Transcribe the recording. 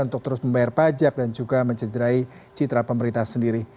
untuk terus membayar pajak dan juga mencederai citra pemerintah sendiri